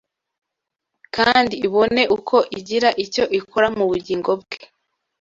kandi ibone uko igira icyo ikora mu bugingo bwe